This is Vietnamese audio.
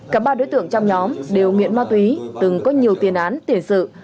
cả ba đối tượng trong nhóm đều nghiện ma túy từng có nhiều tiền án tiền sự